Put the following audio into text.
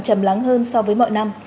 chầm lắng hơn so với mọi năm